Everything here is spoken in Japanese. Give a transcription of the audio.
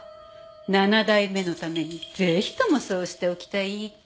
７代目のためにぜひともそうしておきたいって。